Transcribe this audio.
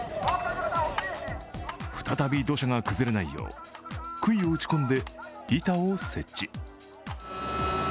再び土砂が崩れないよう、くいを打ち込んで板を設置。